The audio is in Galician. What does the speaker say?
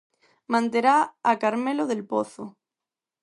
Manterá a Carmelo Del Pozo.